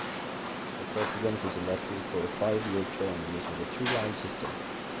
The President is elected for a five-year term using the two-round system.